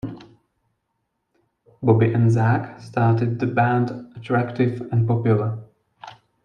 Bobby and Zak started the band Attractive and Popular.